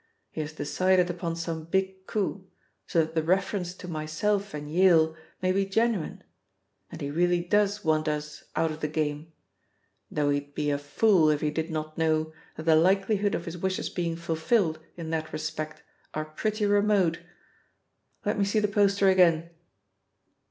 He has decided upon some big coup, so that the reference to myself and Yale may be genuine; and he really does want us out of the game, though he'd be a fool if he did not know that the likelihood of his wishes being fulfilled in that respect are pretty remote. Let me see the poster again."